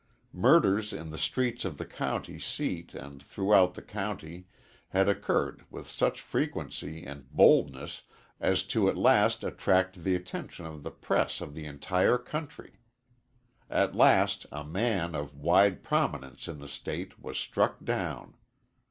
Murders in the streets of the county seat and throughout the county had occurred with such frequency and boldness as to at last attract the attention of the press of the entire country. At last a man of wide prominence in the State was struck down.